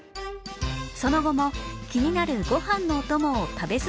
その後も気になるご飯のお供を食べ進めた２人